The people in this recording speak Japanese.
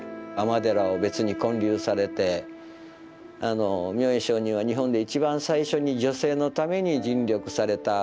尼寺を別に建立されて明恵上人は日本でいちばん最初に女性のために尽力された。